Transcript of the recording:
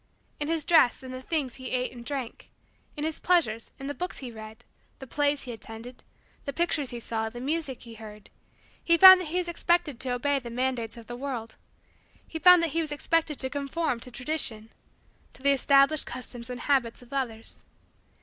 In his dress; in the things he ate and drank; in his pleasures; in the books he read, the plays he attended, the pictures he saw, the music he heard, he found that he was expected to obey the mandates of the world he found that he was expected to conform to Tradition to the established customs and habits of others.